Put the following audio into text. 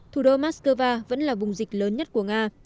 thủ đô moscow vẫn là vùng dịch lớn nhất của nga